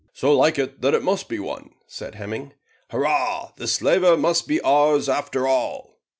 "So like it that it must be one," said Hemming. "Hurrah! the slaver must be ours after all."